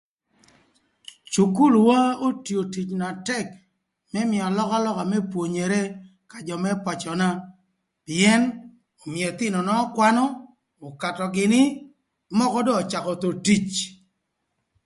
Cukulwa otio tic na tëk më mïö alökalöka më pwonyere ka jö më pacöna pïën ömïö ëthïnöna ökwanö, ökatö gïnï mökö d'öcakö thon tic